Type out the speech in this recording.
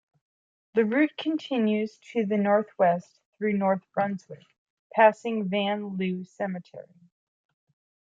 The route continues to the northwest through North Brunswick, passing Van Liew Cemetery.